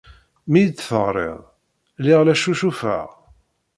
Mi iyi-d-teɣrid, lliɣ la ccucufeɣ.